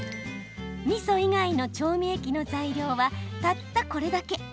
みそ以外の調味液の材料はたったこれだけ。